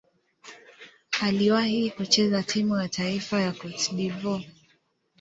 Aliwahi kucheza timu ya taifa ya Cote d'Ivoire.